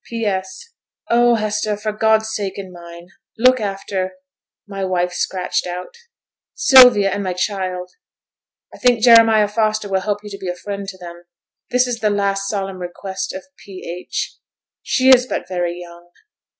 'P.S. Oh, Hester! for God's sake and mine, look after ('my wife,' scratched out) Sylvia and my child. I think Jeremiah Foster will help you to be a friend to them. This is the last solemn request of P. H. She is but very young.'